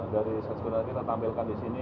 dari sekitar kita tampilkan di sini